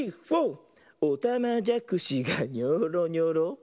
「おたまじゃくしがニョーロニョロ」